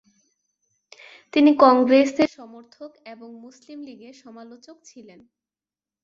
তিনি কংগ্রেসের সমর্থক এবং মুসলিম লীগের সমালোচক ছিলেন।